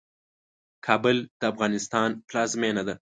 کابل د افغانستان پلازمينه ده.